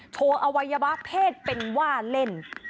โชว์อวัยบะเพศเป็นว่าเล่น